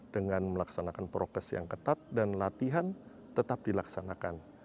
dengan melaksanakan prokes yang ketat dan latihan tetap dilaksanakan